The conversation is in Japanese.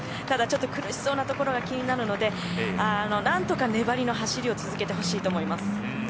ただ、ちょっと苦しそうなところが気になるので何とか粘りの走りを続けてほしいと思います。